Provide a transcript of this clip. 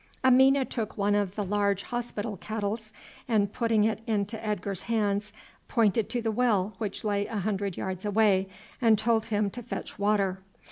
Amina took one of the large hospital kettles, and putting it into Edgar's hands pointed to the well which lay a hundred yards away and told him to fetch water.